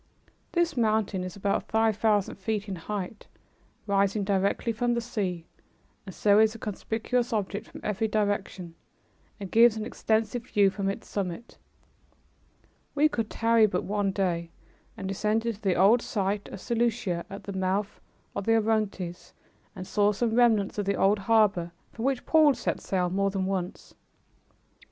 This mountain is about five thousand feet in height, rising directly from the sea, and so is a conspicuous object from every direction and gives an extensive view from its summit. We could tarry but one day, and descended to the old site of Seleucia, at the mouth of the Orontes, and saw some remnants of the old harbor from which Paul set sail more than once.